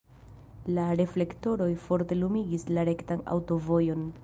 La reflektoroj forte lumigis la rektan aŭtovojon.